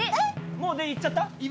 もう全員行っちゃった？